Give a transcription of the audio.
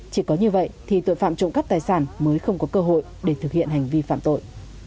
chỉ có như vậy thì tội phạm trộm cắp tài sản mới không có cơ hội để thực hiện hành vi phạm tội